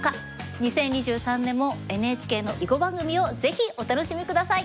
２０２３年もＮＨＫの囲碁番組をぜひお楽しみ下さい。